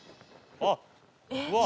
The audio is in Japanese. あっうわっ。